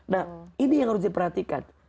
nah ini yang harus diperhatikan